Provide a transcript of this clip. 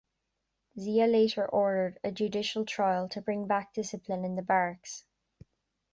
Zia later ordered a judicial trial, to bring back discipline in the barracks.